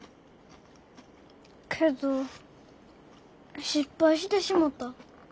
けど失敗してしもた。